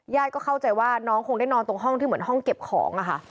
ก็เข้าใจว่าน้องคงได้นอนตรงห้องที่เหมือนห้องเก็บของอะค่ะ